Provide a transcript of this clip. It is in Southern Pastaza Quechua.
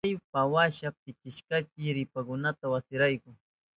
Chaypawasha pitishkanchi ripakunata wasinrayku.